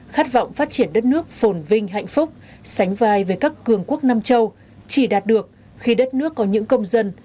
khát vọng phát triển đất nước phồn vinh hạnh phúc sánh vai về các cường quốc nam châu chỉ đạt được khi đất nước có những công dân